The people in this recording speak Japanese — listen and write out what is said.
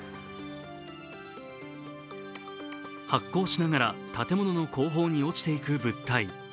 発光しながら建物の後方に落ちていく物体。